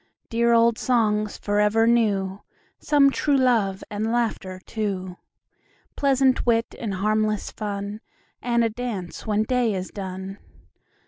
Dear old songs for ever new; Some true love, and laughter too; Pleasant wit, and harmless fun, And a dance when day is done.